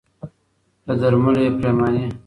له درملو یې پرېماني